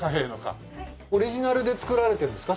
オリジナルで作られてるんですか？